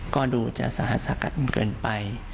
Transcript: ก็ดูจะสาธารณ์สากัดเกินไป